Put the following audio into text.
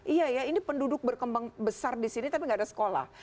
iya ya ini penduduk berkembang besar di sini tapi nggak ada sekolah